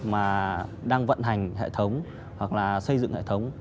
mà đang vận hành hệ thống hoặc là xây dựng hệ thống